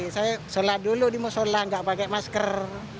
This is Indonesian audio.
saya sholat dulu di musola nggak pakai masker